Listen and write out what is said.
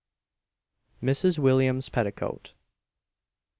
MRS. WILLIAMS'S PETTICOAT.